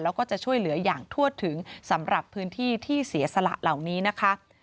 แล้วก็จะช่วยเหลืออย่างทั่วถึงสำหรับพื้นที่ที่เสียสละเหล่านี้นะคะ